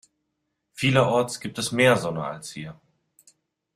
Vielerorts gibt es mehr Sonne als hier.